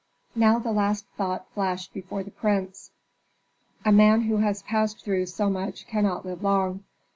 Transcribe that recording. Now the last thought flashed before the prince: "A man who has passed through so much cannot live long."